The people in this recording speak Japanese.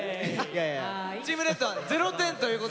チームレッドは０点ということで１投目は。